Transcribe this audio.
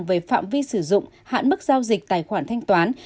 đối với phạm vi sử dụng hạn mức giao dịch tài khoản thanh toán